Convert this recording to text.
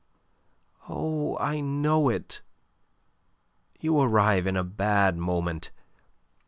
"Oh, I know it! You arrive in a bad moment.